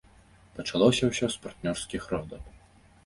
Пачалося ўсё з партнёрскіх родаў.